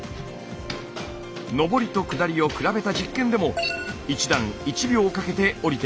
上りと下りを比べた実験でも１段１秒かけて下りていました。